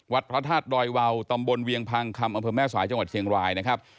พระธาตุดอยวาวตำบลเวียงพังคำอำเภอแม่สายจังหวัดเชียงรายนะครับ